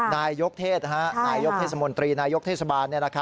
นายยกเทศนายยกเทศมนตรีนายกเทศบาล